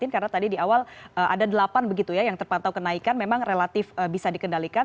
karena tadi di awal ada delapan begitu ya yang terpantau kenaikan memang relatif bisa dikendalikan